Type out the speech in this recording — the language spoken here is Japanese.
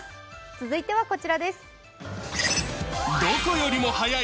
続いてはこちらです。